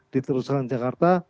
di teruskan jakarta